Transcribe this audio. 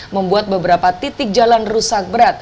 membuat beberapa titik jalan rusak berat